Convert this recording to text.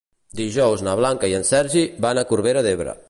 Dijous na Blanca i en Sergi van a Corbera d'Ebre.